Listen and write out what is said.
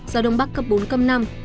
gió đông bắc cấp bốn cấp năm